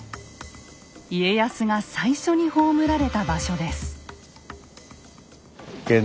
家康が最初に葬られた場所です。